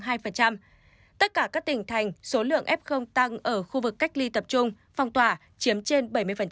tất cả các tỉnh thành số lượng f tăng ở khu vực cách ly tập trung phong tỏa chiếm trên bảy mươi